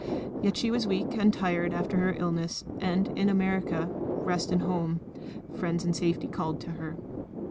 Yet she was weak and tired after her illness and, in America, rest and home, friends and safety called to her.